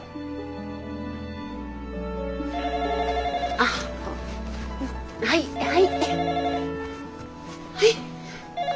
☎あっはいはい。